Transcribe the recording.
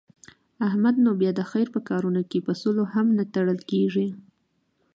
احمد نو بیا د خیر په کارونو کې په سلو هم نه تړل کېږي.